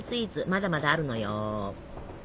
まだまだあるのよ。